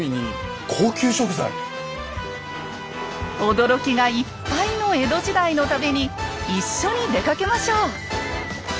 驚きがいっぱいの江戸時代の旅に一緒に出かけましょう！